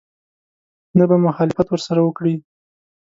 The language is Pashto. نه به مخالفت ورسره وکړي.